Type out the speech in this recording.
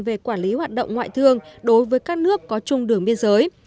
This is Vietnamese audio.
về quản lý hoạt động ngoại thương đối với các nước có chung đường biên giới